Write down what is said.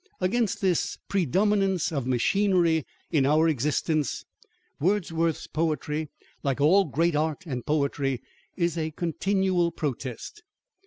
Against this predominance of machinery in our existence, Wordsworth's poetry, like all great art and poetry, is a continual protest.